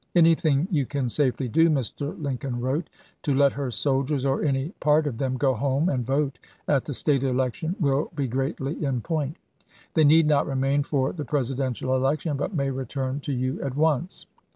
"Anything you can safely do," Mr. Lincoln wrote, " to let her soldiers, or any part of them, go home and vote at the State election will be greatly in point. They need not remain for the Presidential election, but may return to you at once."